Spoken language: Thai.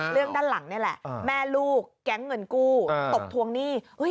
เรื่องด้านหลังนี่แหละแม่ลูกแก๊งเงินกู้ตบททวงหนี้